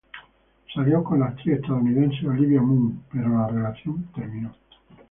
Salió con la actriz estadounidense Olivia Munn, pero la relación terminó.